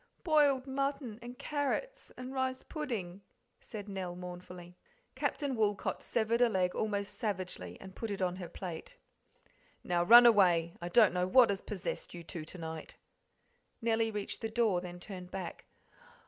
"Boiled mutton and carrots and rice pudding," said Nell mournfully. Captain Woolcot severed a leg almost savagely and put it on her plate. "Now run away; I don't know what has possessed you two to night." Nellie reached the door, then turned back.